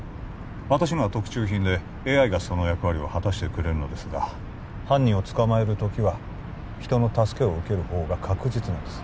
私のは特注品でＡＩがその役割を果たしてくれるのですが犯人を捕まえる時は人の助けを受ける方が確実なんです